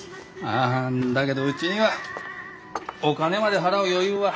ああだけどうちにはお金まで払う余裕は。